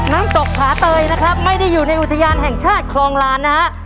น้ำตกผาเตยนะครับไม่ได้อยู่ในอุทยานแห่งชาติคลองลานนะฮะ